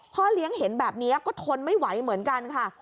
พ่อเลี้ยงเห็นแบบนี้ก็ทนไม่ไหวเหมือนกันค่ะ